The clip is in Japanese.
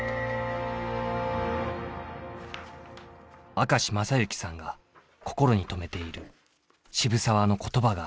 明石雅之さんが心に留めている渋沢の言葉があります。